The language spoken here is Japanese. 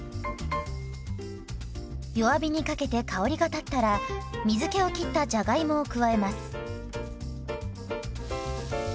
弱火にかけて香りが立ったら水けをきったじゃがいもを加えます。